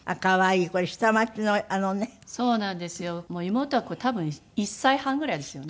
妹はこれ多分１歳半ぐらいですよね。